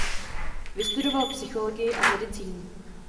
Vystudoval psychologii a medicínu.